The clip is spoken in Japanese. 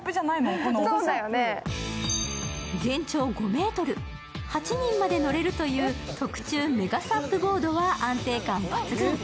全長５ｍ、８人まで乗れるという特注メガＳＵＰボードは安定感抜群。